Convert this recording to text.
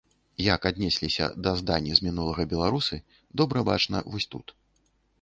Як аднесліся да здані з мінулага беларусы, добра бачна вось тут.